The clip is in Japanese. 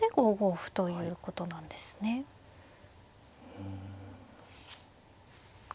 うん。